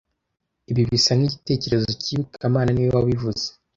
Ibi bisa nkigitekerezo kibi kamana niwe wabivuze